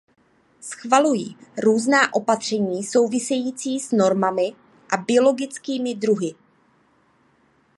Schvaluji různá opatření související s normami a biologickými druhy.